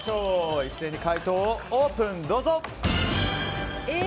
一斉に解答をオープン！